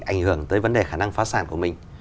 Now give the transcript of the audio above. ảnh hưởng tới vấn đề khả năng phá sản của mình